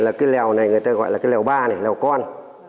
là cái lèo này người ta gọi là cái lèo ba này lèo con